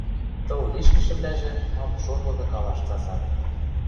Тыл лишнӹшӹвлӓжӹ мам-шон лыдыкалаш цацат.